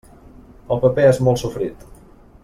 El paper és molt sofrit.